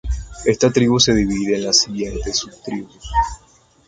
Esta tribu se divide en las siguientes subtribus.